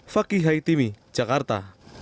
fakih haitimi jakarta